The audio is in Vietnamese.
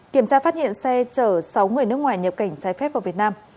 kiểm tra phát hiện xe chở sáu người nước ngoài nhập cảnh trái phép vào việt nam